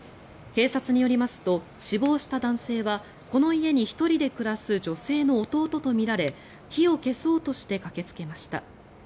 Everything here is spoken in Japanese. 警察によりますと死亡した男性はこの家に１人で暮らす女性の弟とみられ火を消そうとして駆けつけました。